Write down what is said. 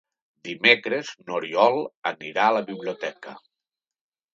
Dimecres n'Oriol anirà a la biblioteca.